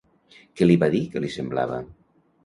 Què li va dir que li semblava?